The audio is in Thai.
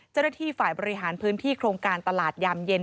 เจ้าหน้าที่ฝ่ายบริหารพื้นที่โครงการตลาดยามเย็น